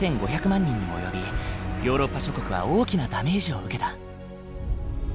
人にも及びヨーロッパ諸国は大きなダメージを受けた。